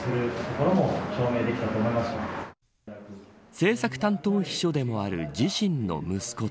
政策担当秘書でもある自身の息子と。